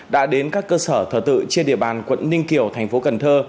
đã đến các cơ sở thờ tự trên địa bàn quận ninh kiều thành phố cần thơ